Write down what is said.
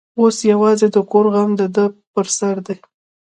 اوس یوازې د کور غم د ده پر سر دی.